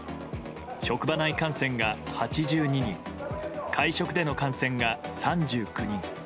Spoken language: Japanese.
職場内感染が８２人会食での感染が３９人。